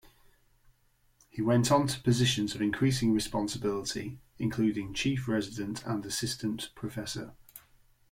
He went on to positions of increasing responsibility, including Chief Resident and Assistant professor.